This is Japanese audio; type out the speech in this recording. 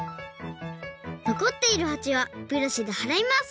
のこっているはちはブラシではらいます。